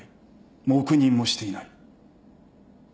黙認もしていない。